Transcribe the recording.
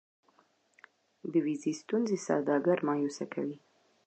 د ویزې ستونزې سوداګر مایوسه کوي.